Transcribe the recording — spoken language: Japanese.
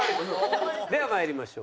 ではまいりましょう。